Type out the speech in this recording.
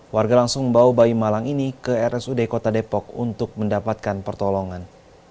warga langsung membawa bayi malang ini ke rsud kota depok untuk mendapatkan pertolongan